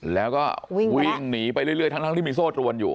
แล้วก็วิ่งหนีไปเรื่อยทั้งที่มีโซ่ตรวนอยู่